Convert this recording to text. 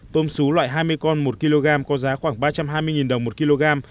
tôm xú loại hai mươi con một kg có giá khoảng ba trăm hai mươi đồng một kg